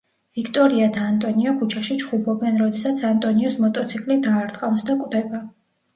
ვიქტორია და ანტონიო ქუჩაში ჩხუბობენ როდესაც ანტონიოს მოტოციკლი დაარტყამს და კვდება.